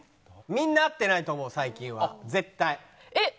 みんな会ってないと思う最近は絶対。